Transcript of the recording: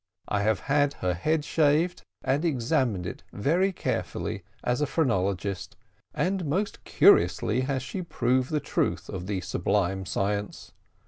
I have had her head shaved, and examined it very carefully as a phrenologist, and most curiously has she proved the truth of the sublime science.